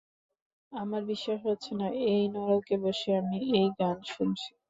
আমার বিশ্বাস হচ্ছে না, এই নরকে বসে আমি এই গান শুনছি।